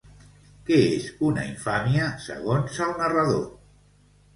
Què és una infàmia segons el narrador?